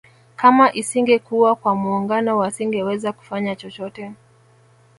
Kama isingekuwa kwa muungano wasingeweza kufanya chochote